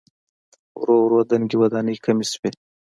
ورو ورو دنګې ودانۍ کمې شوې.